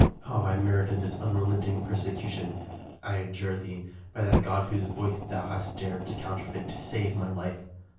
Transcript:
How have I merited this unrelenting persecution? I adjure thee, by that God whose voice thou hast dared to counterfeit, to save my life!